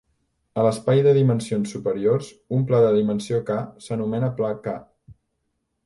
A l'espai de dimensions superiors, un pla de dimensió "k" s'anomena pla "k".